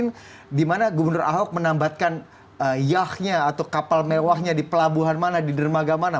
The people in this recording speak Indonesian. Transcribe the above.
kemudian di mana gubernur ahok menambatkan yahnya atau kapal mewahnya di pelabuhan mana di dermaga mana